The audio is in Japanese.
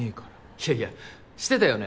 いやいやしてたよね